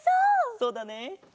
そうだね。